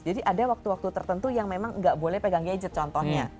jadi ada waktu waktu tertentu yang memang nggak boleh pegang gadget contohnya